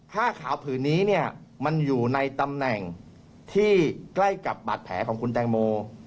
ผ้าขาวผืนนี้เนี่ยมันอยู่ในตำแหน่งที่ใกล้กับบาดแผลของคุณแตงโม